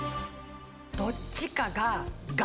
どっちかが。